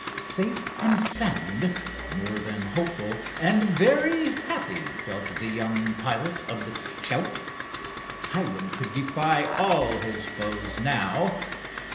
Safe and sound, more than hopeful, and very happy felt the young pilot of the Scout. Hiram could defy all his foes now.